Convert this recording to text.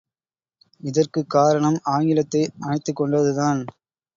இதற்குக் காரணம் ஆங்கிலத்தை அனைத்துக் கொண்டதுதான்!